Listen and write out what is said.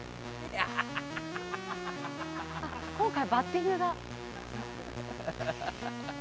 今回、バッティングだ。